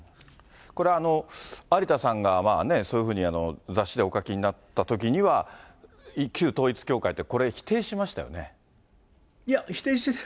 これ、有田さんがまあね、そういうふうに雑誌でお書きになったときには、旧統一教会って、これ、いや、否定してない？